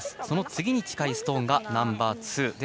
その次に近いストーンがナンバーツー。